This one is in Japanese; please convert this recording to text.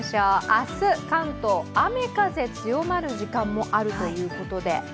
明日関東、雨風強まる時間もあるということで。